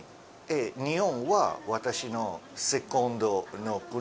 日本は私のセカンドの国。